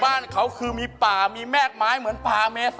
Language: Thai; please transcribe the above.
บ้านเขาคือมีป่ามีแม่กไม้เหมือนป่าเมส